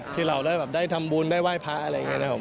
ที่เราได้แบบได้ทำบุญได้ไหว้พระอะไรอย่างนี้นะครับ